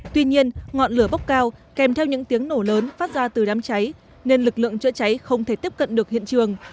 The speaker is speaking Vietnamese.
tuy nhiên ngọn lửa bốc cao kèm theo những tiếng nổ lớn phát ra từ đám cháy nên lực lượng chữa cháy không thể tiếp cận được hiện trường